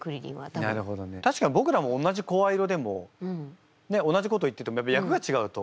たしかにぼくらも同じ声色でも同じこと言ってても役が違うと。